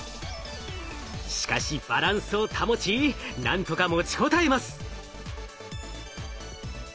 しかしバランスを保ちなんとか持ちこたえます。